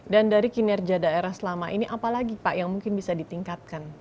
dari kinerja daerah selama ini apalagi pak yang mungkin bisa ditingkatkan